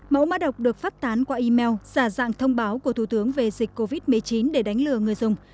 mẫu mã độc được phát tán qua email giả dạng thông báo của thủ tướng về dịch covid một mươi chín để đánh lừa người dùng